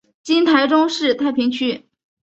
今台中市太平区。